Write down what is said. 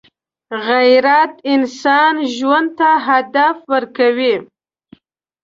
غیرت انسان ژوند ته هدف ورکوي